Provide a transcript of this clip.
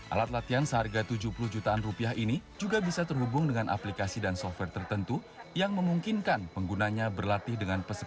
alat latihan seharga tujuh puluh jutaan rupiah ini juga bisa terhubung dengan aplikasi dan software tertentu yang memungkinkan penggunanya berlatih dengan peserta